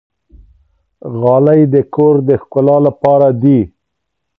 غالۍ د کور د ښکلا لپاره دي.